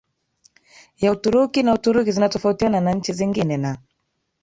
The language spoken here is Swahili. ya Uturuki na Uturuki zinatofautiana na nchi zingine na